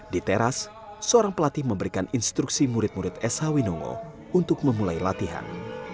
di teras seorang pelatih memberikan instruksi murid murid sh winongo untuk memulai latihan